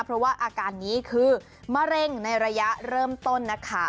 เพราะว่าอาการนี้คือมะเร็งในระยะเริ่มต้นนะคะ